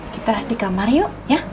kita di kamar yuk